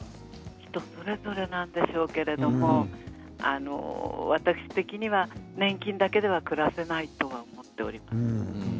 人それぞれなんでしょうけれども私的には年金だけでは暮らせないとは思っております。